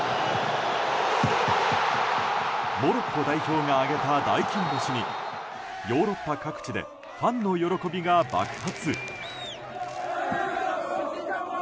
モロッコ代表が挙げた大金星にヨーロッパ各地でファンの喜びが爆発。